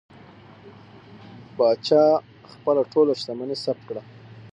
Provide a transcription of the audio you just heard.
پاچا خپله ټوله شتمني ثبت کړه.